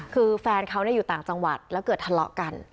คือแฟนเขาอยู่ต่างจังหวัดแล้วเกิดทะเลาะกัน